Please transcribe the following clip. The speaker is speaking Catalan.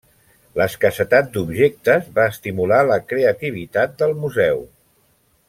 L'escassetat d'objectes va estimular la creativitat del museu.